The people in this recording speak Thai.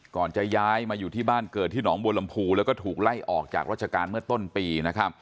จะย้ายมาอยู่ที่บ้านเกิดที่หนองบัวลำพูแล้วก็ถูกไล่ออกจากราชการเมื่อต้นปีนะครับ